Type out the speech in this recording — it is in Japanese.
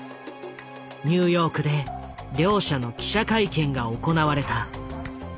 ニューヨークで両者の記者会見が行われた。